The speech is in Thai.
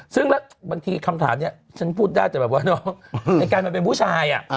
ซึ่งแล้วบางทีคำถามเนี่ยฉันพูดได้จะแบบว่าเนาะไอ้กันป์มันเป็นผู้ชาย